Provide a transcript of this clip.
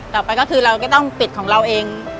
ต่อไปก็คือเราก็ต้องปิดของเราเอง